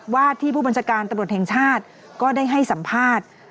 ที่ผู้บัญชาการตำรวจแห่งชาติก็ได้ให้สัมภาษณ์